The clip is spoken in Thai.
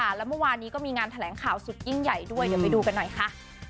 แล้วเมื่อวานนี้ก็มีงานแถลงข่าวสุดยิ่งใหญ่ด้วยเดี๋ยวไปดูกันหน่อยค่ะ